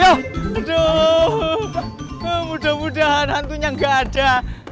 aduh mudah mudahan hantunya gak ada